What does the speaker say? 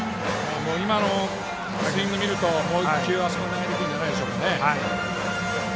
今のスイングを見るともう１球あそこに投げてくるんじゃないでしょうか。